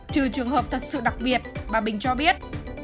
trừ trường hợp thật sự đặc biệt bà bình cho biết